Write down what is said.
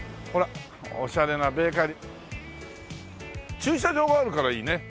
駐車場があるからいいね。